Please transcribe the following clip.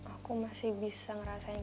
aku masih bisa ngerasain